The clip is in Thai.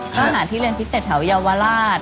ก็หาที่เรียนพิเศษแถวเยาวราช